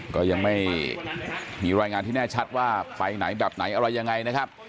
ก็ยังไม่มีรายงานที่แน่ชัดว่าไปไหนแบบไหนอะไรยังไงนะครับ